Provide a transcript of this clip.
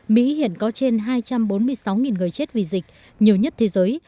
mỹ hiện có trên hai trăm bốn mươi sáu người chết vì dịch nhiều nhất thế giới